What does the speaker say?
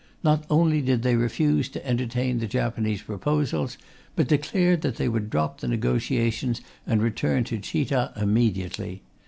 Not only did they refuse to entertain the Japanese proposals, but declared that they would drop the negotiations and return to Chita immediately.